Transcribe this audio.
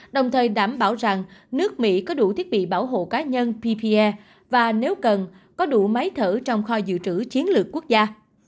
đồng thời đảm bảo rằng nước mỹ có đủ thiết bị bảo hộ cá nhân ppr và nếu cần có đủ máy thở trong kho dự trữ chiến lược quốc gia